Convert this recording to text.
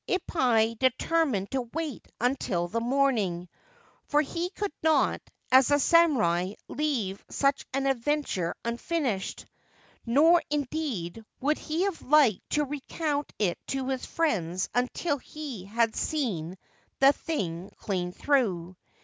Ippai determined to wait until the morning, for he could not, as a samurai, leave such an adventure unfinished ; nor, indeed, would he have liked to recount it to his friends unless he had seen the thing clean through.